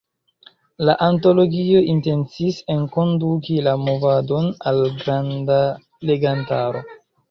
La antologio intencis enkonduki la movadon al granda legantaro.